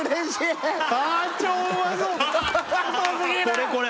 これこれ！